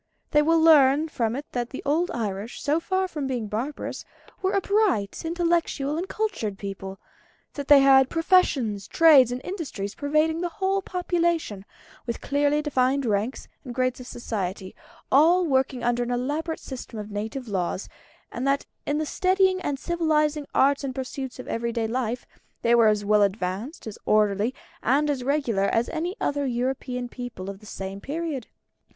They will learn from it that the old Irish, so far from being barbarous, were a bright, intellectual, and cultured people; that they had professions, trades, and industries pervading the whole population, with clearly defined ranks and grades of society, all working under an elaborate system of native laws; and that in the steadying and civilising arts and pursuits of everyday life they were as well advanced, as orderly, and as regular as any other European people of the same period.